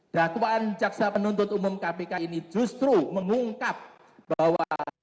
dakwaan jaksa penuntut umum kpk ini justru mengungkap bahwa